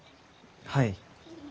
はい。